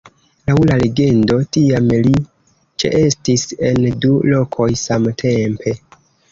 Laŭ la legendo, tiam li ĉeestis en du lokoj samtempe.